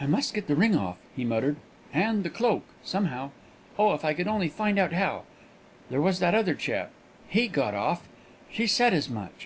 "I must get the ring off," he muttered, "and the cloak, somehow. Oh! if I could only find out how There was that other chap he got off; she said as much.